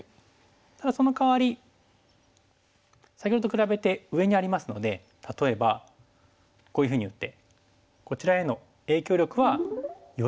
ただそのかわり先ほどと比べて上にありますので例えばこういうふうに打ってこちらへの影響力はより強くなるんですね。